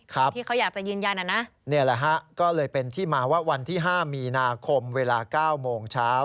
ครับนี่แหละฮะก็เลยเป็นที่มาว่าวันที่๕มีนาคมเวลา๙โมงเช้า